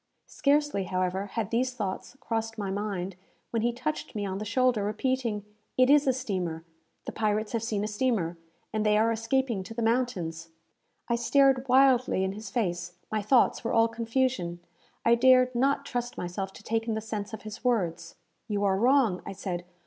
Scarcely, however, had these thoughts crossed my mind, when he touched me on the shoulder, repeating, "It is a steamer! The pirates have seen a steamer, and they are escaping to the mountains." I stared wildly in his face. My thoughts were all confusion. I dared not trust myself to take in the sense of his words. "You are wrong," I said.